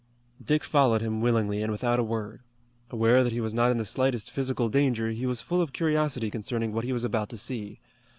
Dick followed him willingly and without a word. Aware that he was not in the slightest physical danger he was full of curiosity concerning what he was about to see.